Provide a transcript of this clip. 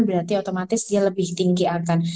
berarti otomatis dia lebih tinggi akan